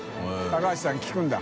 橋さん聞くんだ。